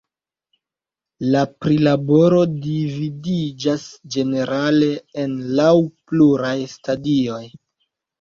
La prilaboro dividiĝas ĝenerale en laŭ pluraj stadioj.